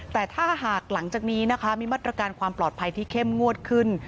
แต่ถ้าหากหลังจากนี้นะคะมีมาตรการความปลอดภัยที่เข้มงวดขึ้น